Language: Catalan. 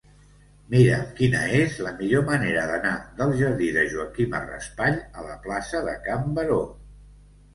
Mira'm quina és la millor manera d'anar del jardí de Joaquima Raspall a la plaça de Can Baró.